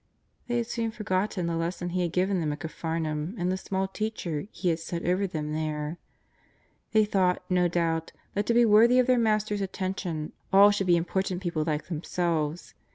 They had soon forgotten the lesson He had given them at Capharnaum and the small teacher He had set over them there. They thought, no doubt, that to be worthy of their Master^s attention, all should be important people like them selves.